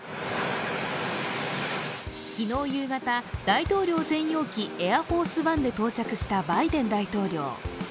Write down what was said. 昨日夕方、大統領専用機エアフォースワンで登場したバイデン大統領。